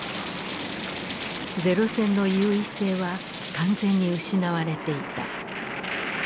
零戦の優位性は完全に失われていた。